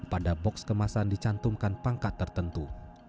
pada box kemasan dicantumkan pangkat tertentu